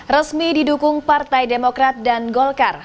resmi didukung partai demokrat dan golkar